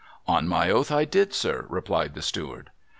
' On my oath I did, sir,' replied the steward.